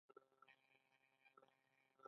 د نخود پوستکی د باد لپاره لرې کړئ